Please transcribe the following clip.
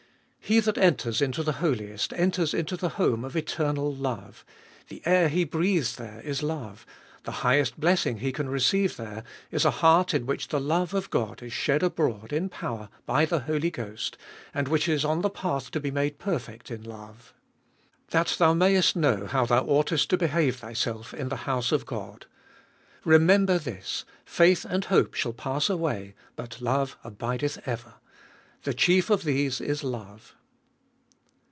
He that enters into the Holiest enters into the home of eternal love ; the air he breathes there is love ; the highest blessing he can receive there is a heart in which the love of God is shed abroad in power by the Holy Ghost, and which is on the path to be made perfect in love. That thou mayest know how thou oughtest to behave thyself in the house of God — remember this, Faith and hope shall pass away, but love abideth ever. The chief of these is love.